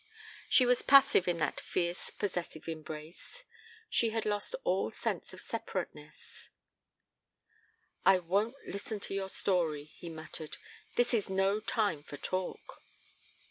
She was passive in that fierce possessive embrace. She had lost all sense of separateness. "I won't listen to your story," he muttered. "This is no time for talk."